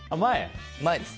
前です。